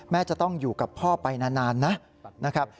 จะต้องอยู่กับพ่อไปนานนะครับ